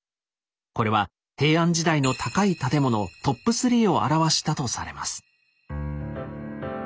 これは平安時代の高い建物トップ３を表したとされます。